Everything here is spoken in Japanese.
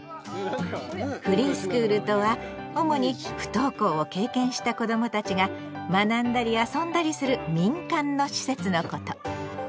フリースクールとは主に不登校を経験した子どもたちが学んだり遊んだりする民間の施設のこと。